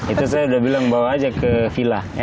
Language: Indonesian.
itu saya udah bilang bawa aja ke villa